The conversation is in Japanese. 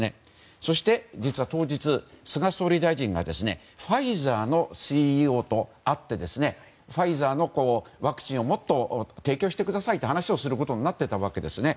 そして、実は当日菅総理大臣がファイザーのＣＥＯと会ってファイザーのワクチンをもっと提供してくださいと話をすることになっていたわけです。